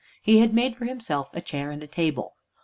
He had made for himself a chair and a table.